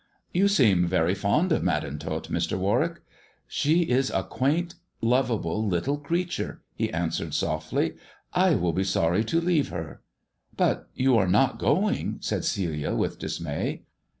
" You seem very fond of Madam Tot, Mr. Warwick I "" She is a quaint, lovable little creature," he answered softly. " I shall be sorry to leave her." " But you are not going ?" said Celia, with dismay.